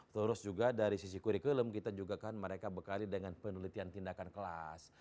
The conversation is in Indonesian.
terus juga dari sisi kurikulum kita juga kan mereka bekali dengan penelitian tindakan kelas